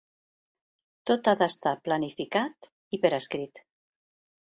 Tot ha d'estar planificat, i per escrit.